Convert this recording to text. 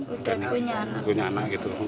udah punya anak